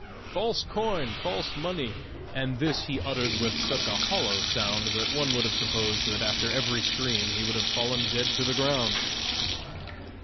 false coin!, false money!' and this he uttered with such a hollow sound that one would have supposed that after every scream he would have fallen dead to the ground."